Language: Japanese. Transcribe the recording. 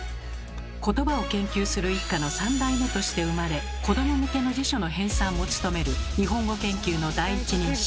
ことばを研究する一家の３代目として生まれ子ども向けの辞書の編纂も務める日本語研究の第一人者